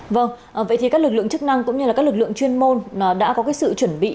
vâng vậy thì các lực lượng chức năng cũng như là các lực lượng chuyên môn đã có cái sự chuẩn bị